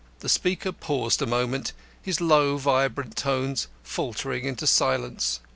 The speaker paused a moment, his low vibrant tones faltering into silence.